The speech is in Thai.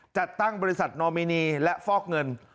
จัดตั้งบริษัทนอมินีและฟอกเงิน